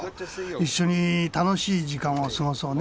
一緒に楽しい時間を過ごそうね。